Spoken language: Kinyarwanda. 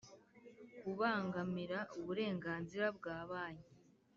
Kubangamira uburenganzira bwa banki